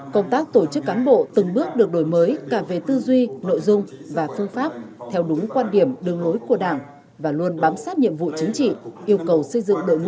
công tác tổ chức cán bộ từng bước được đổi mới cả về tư duy nội dung và phương pháp theo đúng quan điểm đường lối của đảng và luôn bám sát nhiệm vụ chính trị yêu cầu xây dựng đội ngũ